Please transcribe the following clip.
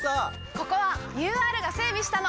ここはＵＲが整備したの！